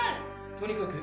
とにかく！